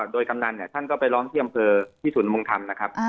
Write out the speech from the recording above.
โดยกำนันผมก็ไปล้อมอยู่ที่กำเคือมงทำนะครับ